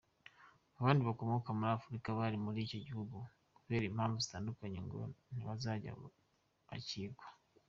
Abandi bakomoka muri Afurika bari muri icyo gihugu kubera impamvu zitandukanye ngo ntibazajya bakirwa.